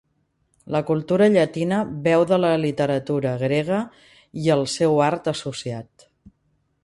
La cultura llatina beu de la literatura grega i el seu art associat.